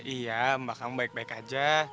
iya mbak kamu baik baik aja